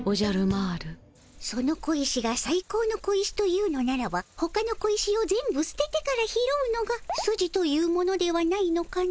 その小石がさい高の小石と言うのならばほかの小石を全部すててから拾うのがスジというものではないのかの？